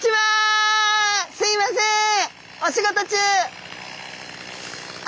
すいません。